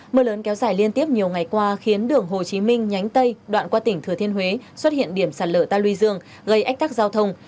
mưa lớn kéo dài liên tiếp nhiều ngày qua khiến đường hồ chí minh nhánh tây đoạn qua tỉnh thừa thiên huế xuất hiện điểm sạt lở ta luy dương gây ách tắc giao thông